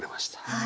はい。